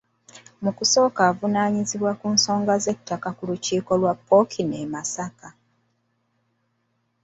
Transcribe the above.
Mu kusooka avunaanyizibwa ku nsonga z’ettaka ku lukiiko lwa Ppookino e Masaka.